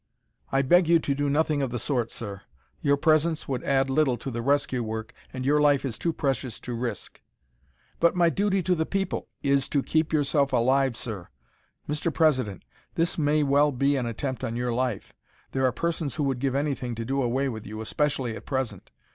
"I beg you to do nothing of the sort, sir. Your presence would add little to the rescue work and your life is too precious to risk." "But my duty to the people " "Is to keep yourself alive, sir! Mr. President, this may well be an attempt on your life. There are persons who would give anything to do away with you, especially at present.